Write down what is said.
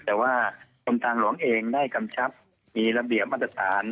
แต่ว่ากรมทางหลวงเองได้กำชับมีระเบียบมาตรฐาน